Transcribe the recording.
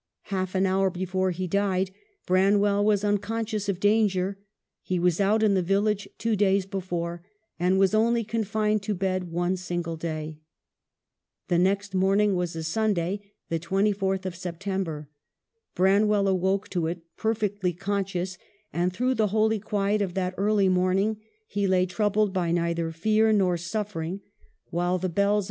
Half an hour before he died Branwell was un conscious of danger ; he was out in the village two days before, and was only confined to bed one single day. The next morning was a Sun day, the 24th of September. Branwell awoke to it perfectly conscious, and through the holy quiet of that early morning he lay, troubled by neither fear nor suffering, while the bells of 296 EMILY BRONTE.